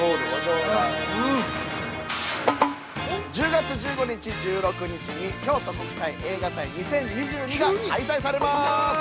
◆１０月１５日、１６日に、「京都国際映画祭２０２２」が開催されます。